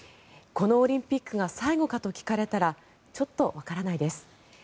このオリンピックが最後かと聞かれたらちょっとわからないです